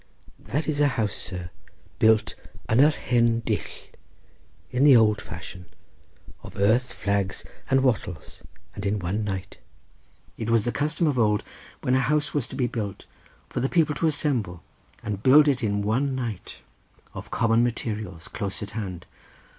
"That is a house, sir, built yn yr hen dull in the old fashion, of earth, flags and wattles, and in one night. It was the custom of old when a house was to be built, for the people to assemble, and to build it in one night of common materials, close at hand.